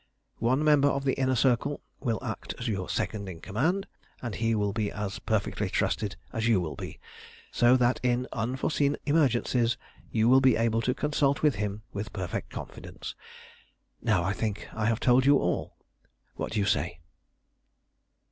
One member of the Inner Circle will act as your second in command, and he will be as perfectly trusted as you will be, so that in unforeseen emergencies you will be able to consult with him with perfect confidence. Now I think I have told you all. What do you say?"